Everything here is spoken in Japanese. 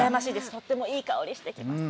とってもいい香りしてます。